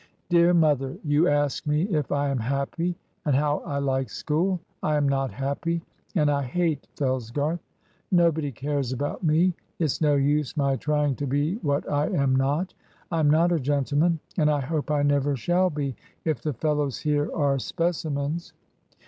"Dear Mother, You ask me if I am happy, and how I like school. I am not happy, and I hate Fellsgarth. Nobody cares about me. It's no use my trying to be what I am not. I am not a gentleman, and I hope I never shall be, if the fellows here are specimens.